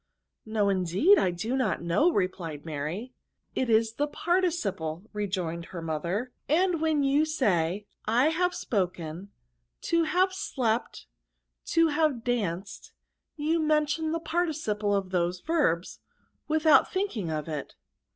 " "No, indeed, I do not know," replied Mary; 'fit is ike participley rejoined her mother; '' and when you say, to have spoken, to have slept, to have danced, you mention the par ticiples of those verbs, without thinking of it."